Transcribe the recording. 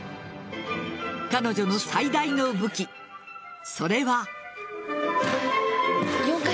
彼女の最大の武器それは。